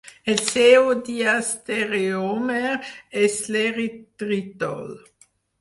El seu diastereòmer és l'eritritol.